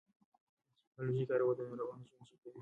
د ټېکنالوژۍ کارول د ناروغانو ژوند ښه کوي.